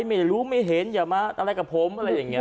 ไม่รู้ไม่เห็นอย่ามาอะไรกับผมอะไรอย่างนี้